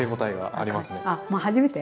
あ初めて？